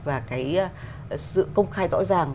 và cái sự công khai rõ ràng